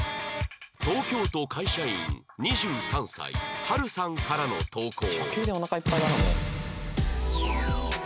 東京都会社員２３歳ぱるさんからの投稿